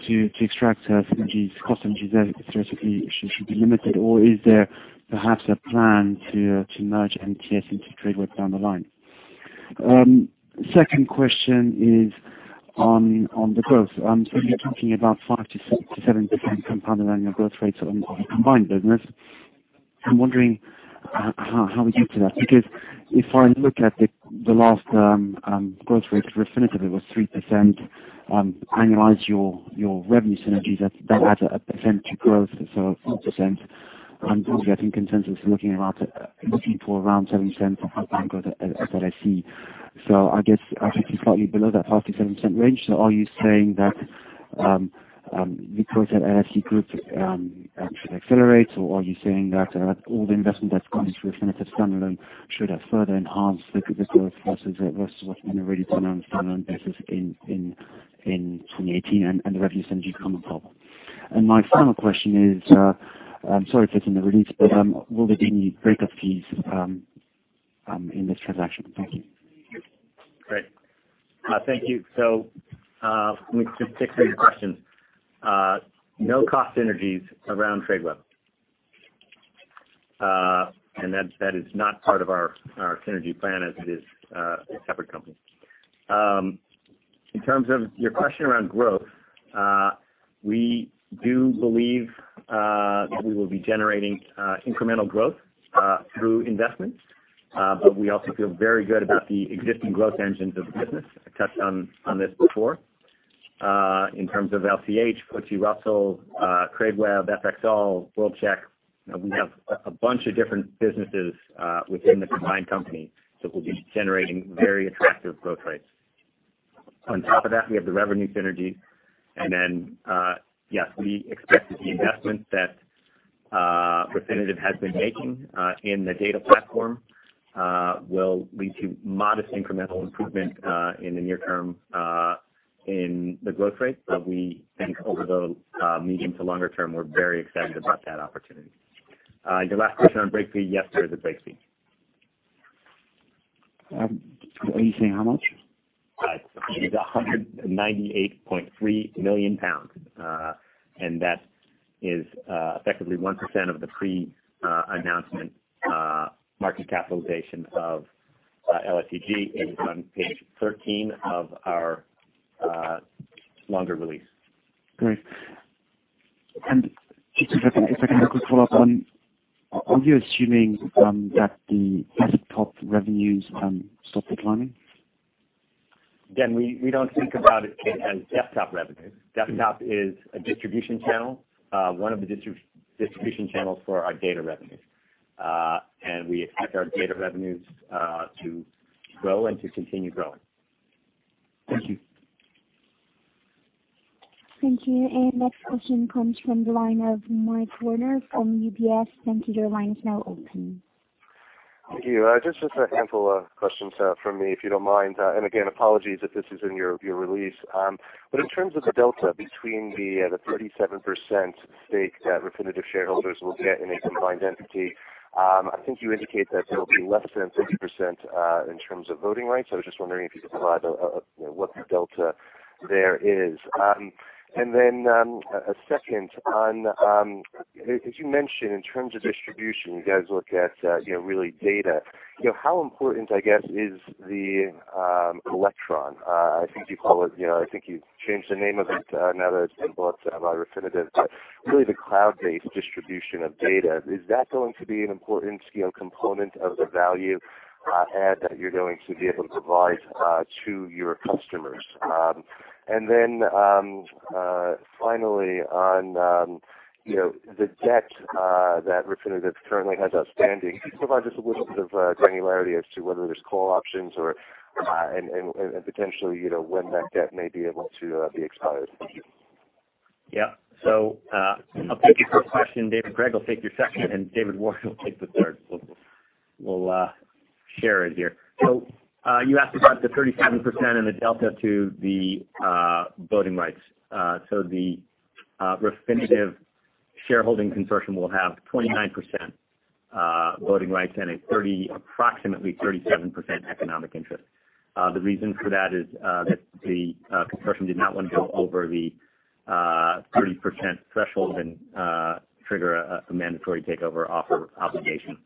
to extract synergies, cost synergies, theoretically should be limited, or is there perhaps a plan to merge MTS into Tradeweb down the line? Second question is on the growth. You're talking about 5%-7% compound annual growth rates on the combined business. I'm wondering how we get to that. Because if I look at the last growth rate for Refinitiv, it was 3%. Annualize your revenue synergies, that adds 1% to growth, so 4%. Obviously, I think consensus is looking for around 7% for full-time growth at LSE. I guess, actually slightly below that 5%-7% range. Are you saying that the growth at LSE could actually accelerate, or are you saying that all the investment that's gone through Refinitiv standalone should have further enhanced the growth versus what's been already pronounced standalone basis in 2018, and the revenue synergy coming on top? My final question is, I'm sorry if it's in the release, but will there be any breakup fees in this transaction? Thank you. Great. Thank you. Let me just take three questions. No cost synergies around Tradeweb. That is not part of our synergy plan as it is a separate company. In terms of your question around growth, we do believe that we will be generating incremental growth through investments, but we also feel very good about the existing growth engines of the business. I touched on this before. In terms of LCH, FTSE Russell, Tradeweb, FXall, World-Check, we have a bunch of different businesses within the combined company that will be generating very attractive growth rates. On top of that, we have the revenue synergy, and then, yes, we expect that the investments that Refinitiv has been making in the data platform will lead to modest incremental improvement in the near term in the growth rate. We think over the medium to longer term, we're very excited about that opportunity. Your last question on break fee, yes, there is a break fee. Are you saying how much? It is 198.3 million pounds. That is effectively 1% of the pre-announcement market capitalization of LSEG. It is on page 13 of our longer release. Great. Just a second, if I can have a quick follow-up on, are you assuming that the desktop revenues stop declining? Again, we don't think about it as desktop revenues. Desktop is a distribution channel, one of the distribution channels for our data revenues. We expect our data revenues to grow and to continue growing. Thank you. Thank you. Next question comes from the line of Mike Werner from UBS. Thank you. Your line is now open. Thank you. Just a handful of questions from me, if you don't mind. Again, apologies if this is in your release. In terms of the delta between the 37% stake that Refinitiv shareholders will get in a combined entity, I think you indicate that it'll be less than 30% in terms of voting rights. I was just wondering if you could provide what the delta there is. A second on, as you mentioned, in terms of distribution, you guys look at really data. How important, I guess, is the Elektron? I think you changed the name of it now that it's been bought by Refinitiv, but really the cloud-based distribution of data, is that going to be an important component of the value add that you're going to be able to provide to your customers? Then, finally, on the debt that Refinitiv currently has outstanding, can you provide just a little bit of granularity as to whether there's call options and potentially when that debt may be able to be expired? Thank you. Yeah. I'll take your first question, David Craig, I'll take your second, and David Warren will take the third. We'll share it here. You asked about the 37% and the delta to the voting rights. The Refinitiv shareholding consortium will have 29% voting rights and approximately 37% economic interest. The reason for that is that the consortium did not want to go over the 30% threshold and trigger a mandatory takeover offer obligation.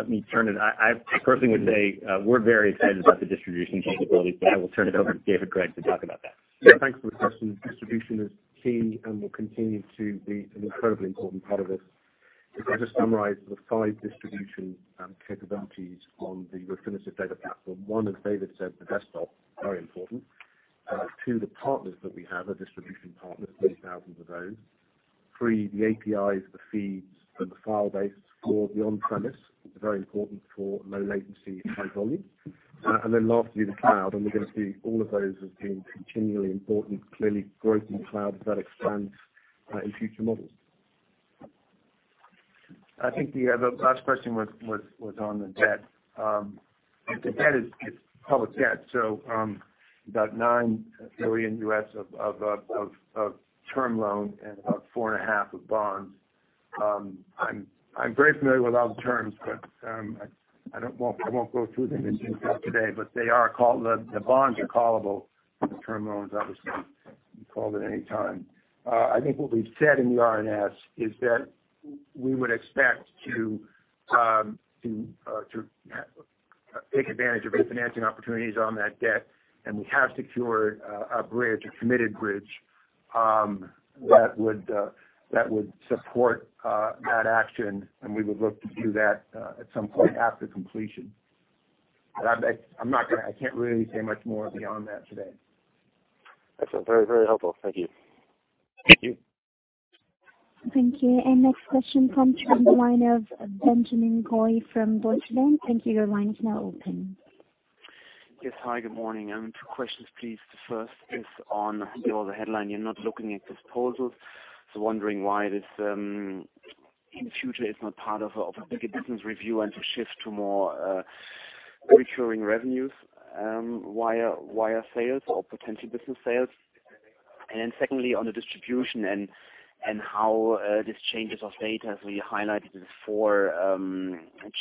I personally would say we're very excited about the distribution capabilities, but I will turn it over to David Craig to talk about that. Thanks for the question. Distribution is key and will continue to be an incredibly important part of this. If I just summarize the five distribution capabilities on the Refinitiv data platform. 1, as David said, the desktop, very important. Two, the partners that we have are distribution partners, 30,000 of those. Three, the APIs, the feeds, and the file base for the on-premise, very important for low latency, high volume. Lastly, the cloud, and we're going to view all of those as being continually important, clearly growth in the cloud as that expands in future models. I think the last question was on the debt. The debt is public debt, so about $9 billion of term loan and about four and a half of bonds. I am very familiar with all the terms, but I won't go through them in detail today, but the bonds are callable, the term loans, obviously, can be called at any time. I think what we've said in the RNS is that we would expect to take advantage of refinancing opportunities on that debt, and we have secured a bridge, a committed bridge, that would support that action, and we would look to do that at some point after completion. I cannot really say much more beyond that today. Excellent. Very helpful. Thank you. Thank you. Thank you. Next question comes from the line of Benjamin Goy from Deutsche Bank. Thank you. Your line is now open. Yes. Hi, good morning. Two questions, please. The first is on, there was a headline, you're not looking at disposals, wondering why this in the future is not part of a bigger business review and to shift to more recurring revenues via sales or potential business sales. Secondly, on the distribution and how these changes of data, you highlighted the four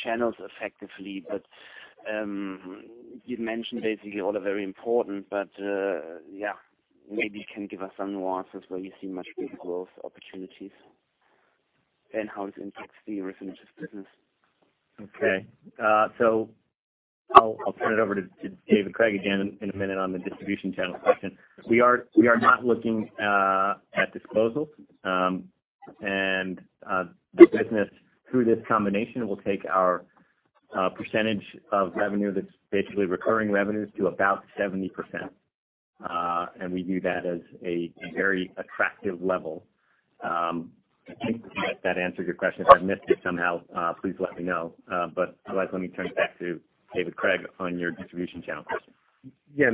channels effectively, you'd mentioned basically all are very important, maybe you can give us some nuances where you see much bigger growth opportunities. How this impacts the Refinitiv's business. Okay. I'll turn it over to David Craig again in a minute on the distribution channel question. We are not looking at disposals. The business through this combination will take our Percentage of revenue that's basically recurring revenues to about 70%. We view that as a very attractive level. I think that answers your question. If I've missed it somehow, please let me know. Otherwise, let me turn it back to David Craig on your distribution channel question. Yeah.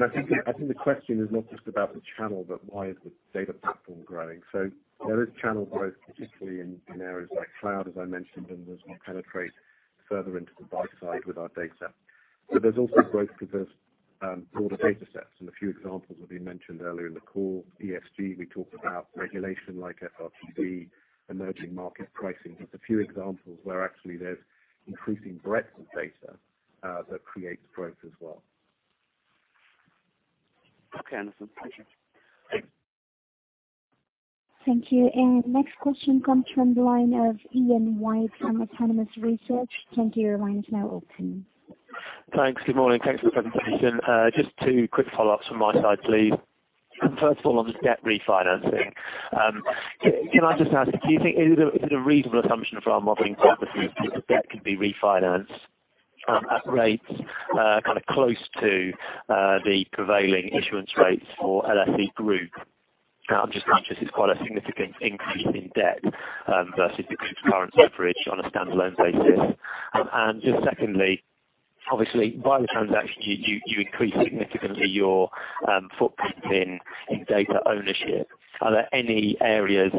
I think the question is not just about the channel, why is the data platform growing? There is channel growth, particularly in areas like cloud, as I mentioned, and as we penetrate further into the buy side with our data. There's also growth because broader data sets and a few examples have been mentioned earlier in the call, ESG, we talked about regulation like FRTB, emerging market pricing. Just a few examples where actually there's increasing breadth of data, that creates growth as well. Okay. Understood. Thank you. Thank you. Next question comes from the line of Ian White from Autonomous Research. Thank you. Your line is now open. Thanks. Good morning. Thanks for the presentation. Just two quick follow-ups from my side, please. First of all, on the debt refinancing, can I just ask, is it a reasonable assumption for our modeling purposes that the debt can be refinanced, at rates kind of close to the prevailing issuance rates for LSE Group? I'm just conscious it's quite a significant increase in debt, versus the group's current leverage on a standalone basis. Just secondly, obviously, by the transaction, you increase significantly your footprint in data ownership. Are there any areas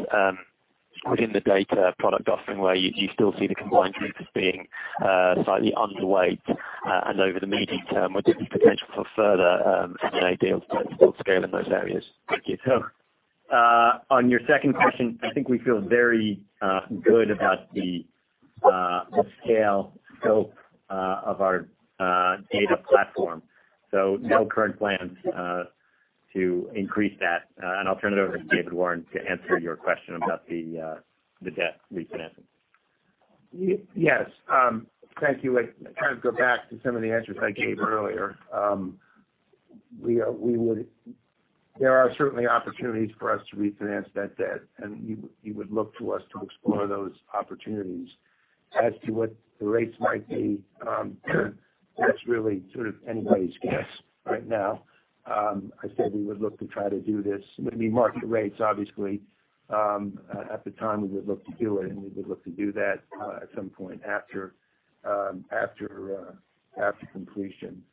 within the data product offering where you still see the combined group as being slightly underweight, and over the medium term, would there be potential for further M&A deals to scale in those areas? Thank you. On your second question, I think we feel very good about the scale scope of our data platform. No current plans to increase that. I will turn it over to David Warren to answer your question about the debt refinancing. Yes. Thank you. I kind of go back to some of the answers I gave earlier. There are certainly opportunities for us to refinance that debt, and you would look to us to explore those opportunities. As to what the rates might be, that's really sort of anybody's guess right now. I said we would look to try to do this. It would be market rates, obviously, at the time we would look to do it, and we would look to do that at some point after completion.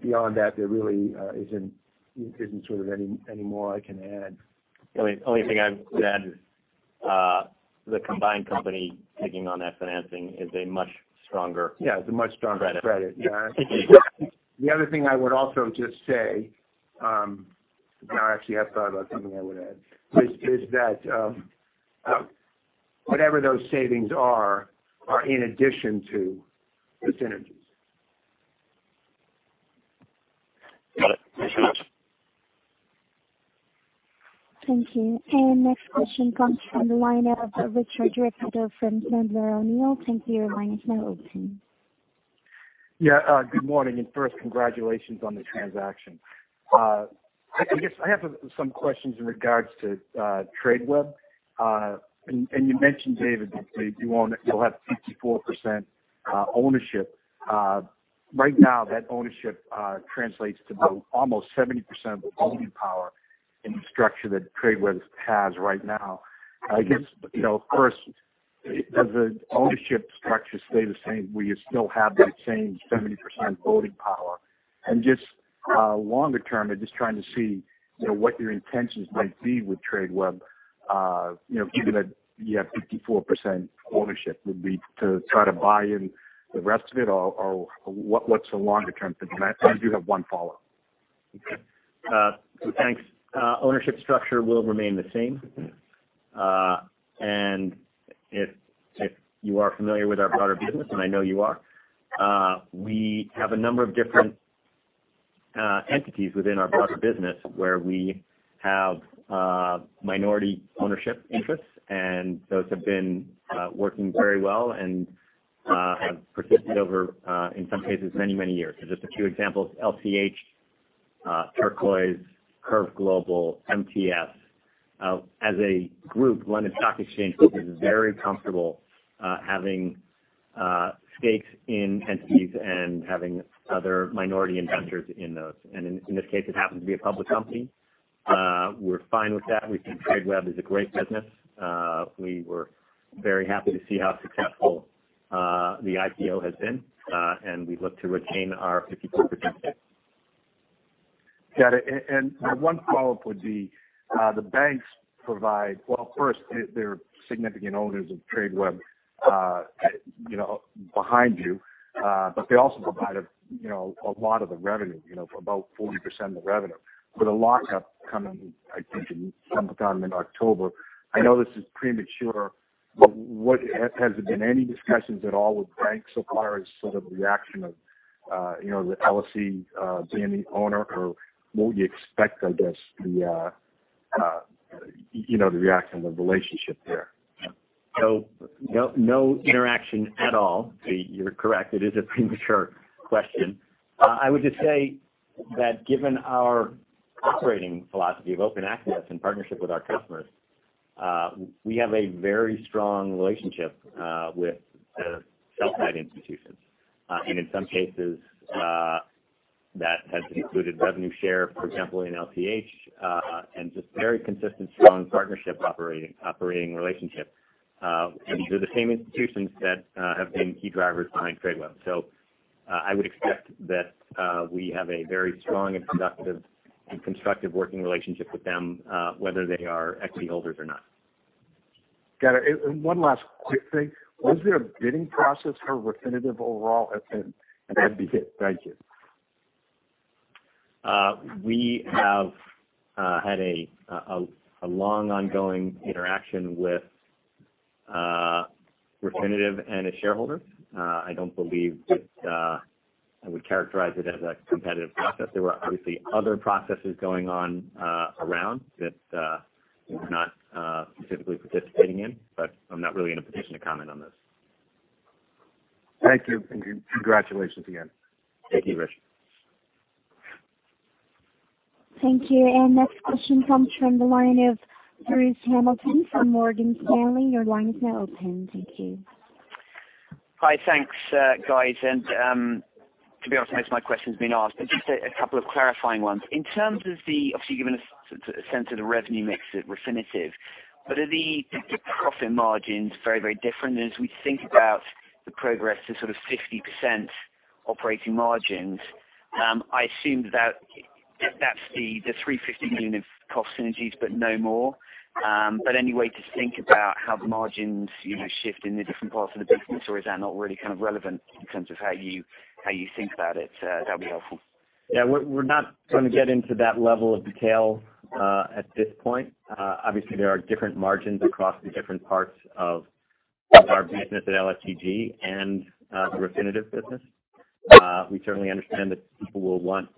Beyond that, there really isn't sort of any more I can add. The only thing I would add is the combined company taking on that financing is a much stronger- Yeah, it's a much stronger credit. credit. Yeah. The other thing I would also just say, now I actually have thought about something I would add, is that whatever those savings are in addition to the synergies. Got it. Thanks so much. Thank you. Next question comes from the line of Richard Repetto from Sandler O'Neill. Thank you. Your line is now open. Yeah. Good morning, first, congratulations on the transaction. I guess I have some questions in regards to Tradeweb. You mentioned, David, that you'll have 54% ownership. Right now, that ownership translates to about almost 70% of the voting power in the structure that Tradeweb has right now. I guess, first, does the ownership structure stay the same? Will you still have that same 70% voting power? Just longer term, I'm just trying to see what your intentions might be with Tradeweb given that you have 54% ownership. Would be to try to buy in the rest of it or what's the longer-term thinking? I do have one follow-up. Okay. Thanks. Ownership structure will remain the same. If you are familiar with our broader business, and I know you are, we have a number of different entities within our broader business where we have minority ownership interests, and those have been working very well and have persisted over, in some cases, many, many years. Just a few examples, LCH, Turquoise, CurveGlobal, MTS. As a group, London Stock Exchange Group is very comfortable having stakes in entities and having other minority investors in those. In this case, it happens to be a public company. We're fine with that. We think Tradeweb is a great business. We were very happy to see how successful the IPO has been, and we look to retain our 54% stake. Got it. One follow-up would be, the banks provide-- well, first, they're significant owners of Tradeweb behind you. But they also provide a lot of the revenue, about 40% of the revenue. With a lockup coming, I think sometime in October, I know this is premature, but has there been any discussions at all with banks so far as sort of reaction of the LSE being the owner, or what would you expect, I guess, the reaction, the relationship there? No interaction at all. You're correct. It is a premature question. I would just say that given our operating philosophy of open access and partnership with our customers. We have a very strong relationship with the sell-side institutions. In some cases, that has included revenue share, for example, in LCH, and just very consistent, strong partnership operating relationship. These are the same institutions that have been key drivers behind Tradeweb. I would expect that we have a very strong and constructive working relationship with them, whether they are equity holders or not. Got it. One last quick thing. Was there a bidding process for Refinitiv overall? That'd be it. Thank you. We have had a long ongoing interaction with Refinitiv and its shareholders. I don't believe that I would characterize it as a competitive process. There were obviously other processes going on around that we were not specifically participating in, but I'm not really in a position to comment on this. Thank you. Congratulations again. Thank you, Rich. Thank you. Next question comes from the line of Bruce Hamilton from Morgan Stanley. Your line is now open. Thank you. Hi. Thanks, guys. To be honest, most of my question's been asked, but just a couple of clarifying ones. In terms of the, obviously, you've given us a sense of the revenue mix at Refinitiv, but are the profit margins very, very different? As we think about the progress to sort of 50% operating margins, I assume that's the 350 million of cost synergies, but no more. Any way to think about how the margins shift in the different parts of the business? Is that not really kind of relevant in terms of how you think about it? That'd be helpful. Yeah. We're not going to get into that level of detail at this point. Obviously, there are different margins across the different parts of our business at LSEG and the Refinitiv business. We certainly understand that people will want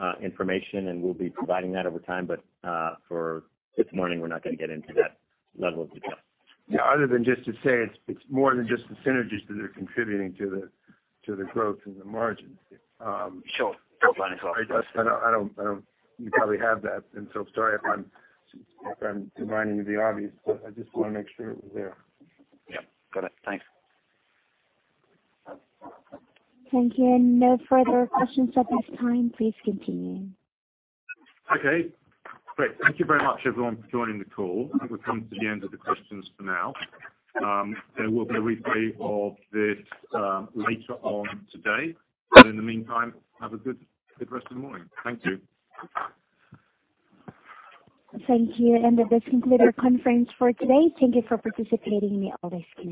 more information, and we'll be providing that over time. For this morning, we're not going to get into that level of detail. Other than just to say it's more than just the synergies that are contributing to the growth and the margins. Sure. I don't You probably have that, and so sorry if I'm reminding you the obvious, but I just want to make sure it was there. Yeah. Got it. Thanks. Thank you. No further questions at this time. Please continue. Okay, great. Thank you very much, everyone, for joining the call. I think we've come to the end of the questions for now. There will be a replay of this later on today. In the meantime, have a good rest of the morning. Thank you. Thank you. With this, conclude our conference for today. Thank you for participating. May all rest well.